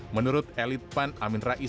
menurut elit pan amin rais